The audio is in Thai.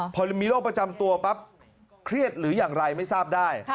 พอมีโรคประจำตัวปั๊บเครียดหรืออย่างไรไม่ทราบได้